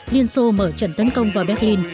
liên xô mở trận tấn công vào berlin